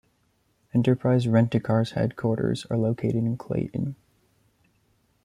Enterprise Rent-A-Car's headquarters are located in Clayton.